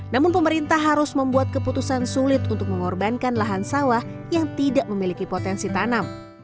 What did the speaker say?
namun pemerintah harus membuat keputusan sulit untuk mengorbankan lahan sawah yang tidak memiliki potensi tanam